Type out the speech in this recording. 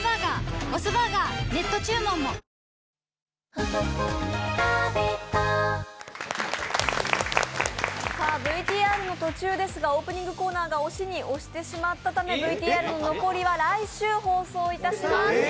ＷＩＬＫＩＮＳＯＮＶＴＲの途中ですが、オープニングコーナーが押しに押してしまったためＶＴＲの残りは来週放送いたします。